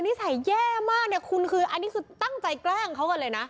นิสัยแย่มากเนี่ยคุณคืออันนี้คือตั้งใจแกล้งเขากันเลยนะ